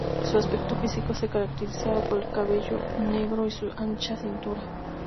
Su aspecto físico se caracterizaba por el cabello negro y su "ancha cintura".